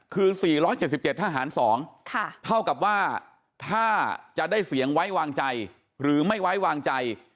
คือ๔๗๗ทหาร๒เท่ากับว่าถ้าจะได้เสียงไว้วางใจหรือไม่ไว้วางใจ